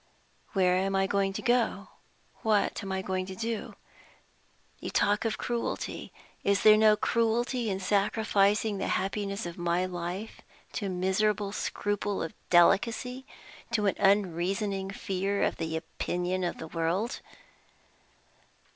Where am I to go to? what am I to do? You talk of cruelty! Is there no cruelty in sacrificing the happiness of my life to a miserable scruple of delicacy, to an unreasoning fear of the opinion of the world?